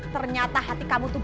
ternyata hati kamu tuh